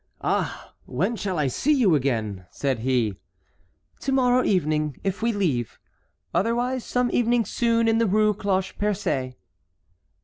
"Ah! when shall I see you again?" said he. "To morrow evening, if we leave. Otherwise some evening soon in the Rue Cloche Percée."